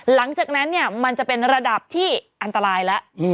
หลังจากนั้นเนี่ยมันจะเป็นระดับที่อันตรายแล้ว